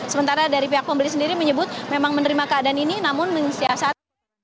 sementara dari pihak pembeli sendiri menyebut memang menerima keadaan ini namun mensiasati